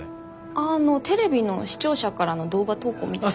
あああのテレビの視聴者からの動画投稿みたいな？